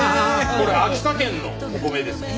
これ秋田県のお米ですね。